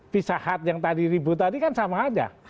pisah hat yang tadi ribut tadi kan sama aja